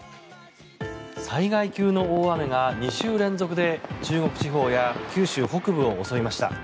災害級の大雨が２週連続で中国地方や九州北部を襲いました。